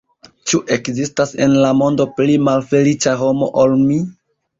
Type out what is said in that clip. Ĉu ekzistas en la mondo pli malfeliĉa homo ol mi?